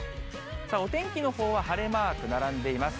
お天気のほうは晴れマーク並んでいます。